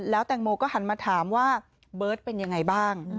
แล้วแตงโมก็หันมาถามว่าเบิร์ตเป็นยังไงบ้าง